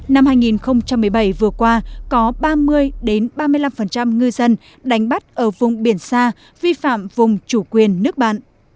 năm hai nghìn một mươi bảy vừa qua có ba mươi ba mươi năm ngư dân đánh bắt ở vùng biển xa vi phạm vùng chủ quyền nước bạn